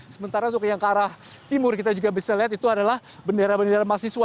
sementara untuk yang ke arah timur kita juga bisa lihat itu adalah bendera bendera mahasiswa